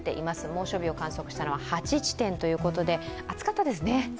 猛暑日を観測したのは８地点ということで暑かったですね